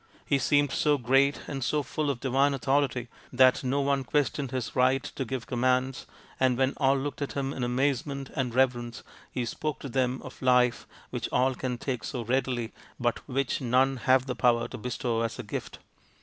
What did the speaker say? He seemed so great and so full of divine authority that no one questioned his right to give commands, and when all looked at him in amazement and reverence he spoke to them of life which all can take so readily but which none have the power to bestow as a gift.